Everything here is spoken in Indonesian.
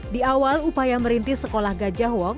di awal upaya merintis sekolah gajah wong